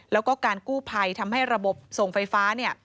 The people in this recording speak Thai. แล้วก็การกู้ภัยทำให้ระบบส่งไฟฟ้าเนี่ย